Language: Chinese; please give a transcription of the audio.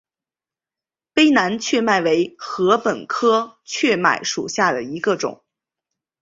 卑南雀麦为禾本科雀麦属下的一个种。